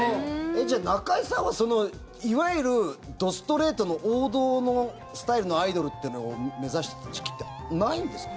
じゃあ中居さんはいわゆる、どストレートの王道のスタイルのアイドルっていうのを目指してた時期ってないんですか？